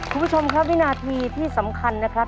คุณผู้ชมครับวินาทีที่สำคัญนะครับ